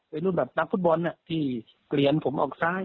เป็นรุ่นแบบนักฟุตบอลที่เกลียนผมออกซ้าย